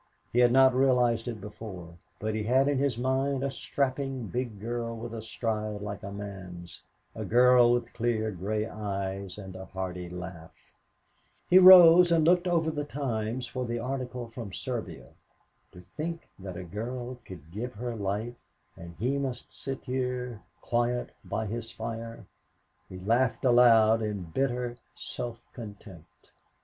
He had not realized it before but he had in his mind a strapping big girl with a stride like a man's, a girl with clear gray eyes and a hearty laugh. He rose and looked over the Times for the article from Serbia. To think that a girl could give her life and he must sit here quiet by his fire. He laughed aloud in bitter self contempt.